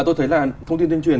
tôi thấy là thông tin tuyên truyền